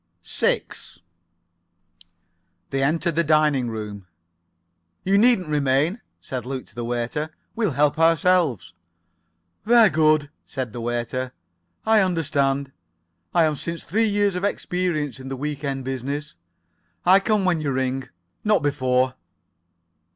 6 They entered the dining room. "You needn't remain," said Luke to the waiter. "We'll help ourselves." "Ver' good," said the waiter. "I understand. I am since three years of experience in the week end business. I come when you ring—not before."